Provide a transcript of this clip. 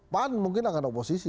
pan mungkin akan oposisi